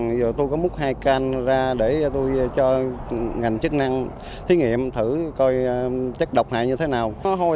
giờ tôi có múc hai can ra để tôi cho ngành chức năng thí nghiệm thử coi chất độc hại như thế này